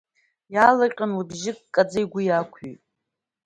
Иаалырҟьан лыбжьы ккаӡа игәы иаақәҩит…